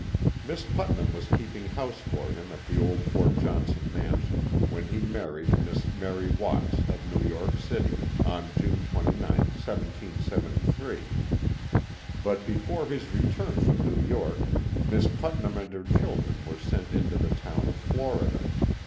Miss Putnam was keeping house for him at the old Fort Johnson mansion when he married Miss Mary Watts, of New York City, on June 29, 1773, but before his re turn from New York Miss Putnam and her children were sent into the town of Florida.